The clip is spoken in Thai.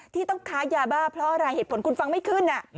ที่ต้องค้ายาบ้าเพราะอะไรเหตุผลคุณฟังไม่ขึ้น